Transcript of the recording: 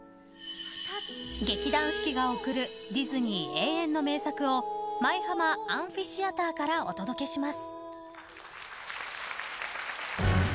劇団四季が送るディズニー永遠の名作を舞浜アンフィシアターからお届けします。